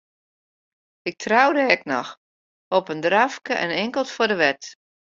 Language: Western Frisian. Ik troude ek noch, op in drafke en inkeld foar de wet.